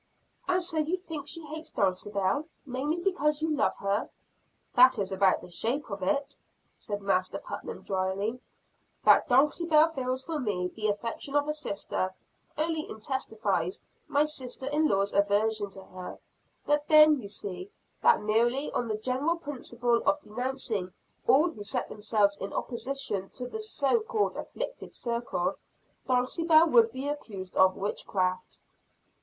"And so you think she hates Dulcibel, mainly because you love her?" "That is about the shape of it," said Master Putnam drily. "That Dulcibel feels for me the affection of a sister, only intensifies my sister in law's aversion to her. But then, you see, that merely on the general principle of denouncing all who set themselves in opposition to the so called afflicted circle, Dulcibel would be accused of witchcraft."